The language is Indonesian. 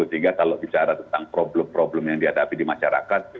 sehingga kalau bicara tentang problem problem yang dihadapi di masyarakat